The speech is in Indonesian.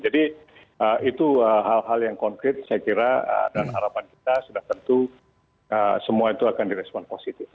jadi itu hal hal yang konkret saya kira dan harapan kita sudah tentu semua itu akan di respond positif